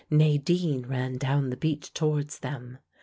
Nadine ran down the beach towards them.